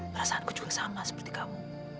perasaanku sama seperti kamu